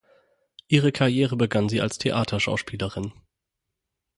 Ihre Karriere begann sie als Theaterschauspielerin.